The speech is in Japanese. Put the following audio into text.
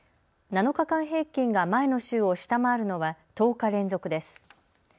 ７日間平均が前の週を下回るのは１０日連続です。